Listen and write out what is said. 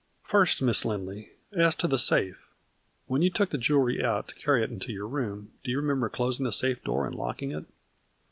" First, Miss Lindley, as to the safe. When you took the jewelry out to carry it into your room do you remember closing the safe door and locking it